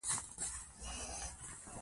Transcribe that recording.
لنډمهاله موخې په یو کال کې رسیږي.